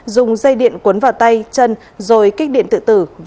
dùng dây điện cuốn vào tay chân rồi kích điện tự tử và chết trước khi bị phát hiện